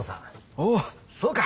おおそうか。